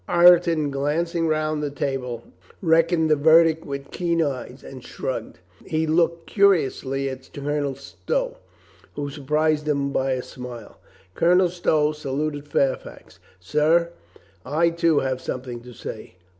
Ireton, glancing round the table, reckoned the verdict with keen eyes and shrugged. He looked curiously at Colonel Stow, who surprised him by a smile. Colonel Stow saluted Fairfax. "Sir, I, too, have something to say."